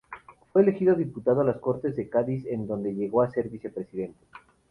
Fue elegido diputado a las Cortes de Cádiz, en donde llegó a ser vicepresidente.